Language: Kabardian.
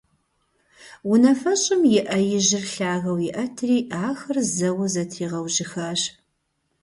Унафэщӏым и Ӏэ ижьыр лъагэу иӀэтри, ахэр зэуэ зэтригъэужьыхащ.